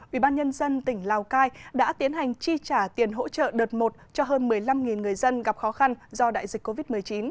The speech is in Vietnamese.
ubnd tỉnh lào cai đã tiến hành chi trả tiền hỗ trợ đợt một cho hơn một mươi năm người dân gặp khó khăn do đại dịch covid một mươi chín